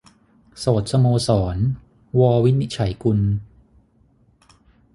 โสดสโมสร - ว วินิจฉัยกุล